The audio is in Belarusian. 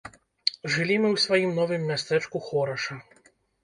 Жылі мы ў сваім новым мястэчку хораша.